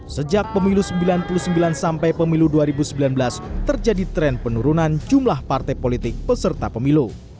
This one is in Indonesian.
sejak pemilu seribu sembilan ratus sembilan puluh sembilan sampai pemilu dua ribu sembilan belas terjadi tren penurunan jumlah partai politik peserta pemilu